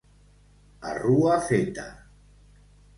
A rua feta.